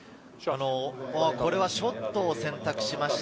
これはショットを選択しました。